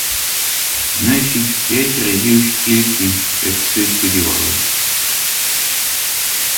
Значить, п'ять разів стільки, як ти сподівалася.